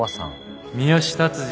三好達治。